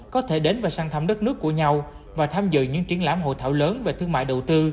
có thể đến và sang thăm đất nước của nhau và tham dự những triển lãm hội thảo lớn về thương mại đầu tư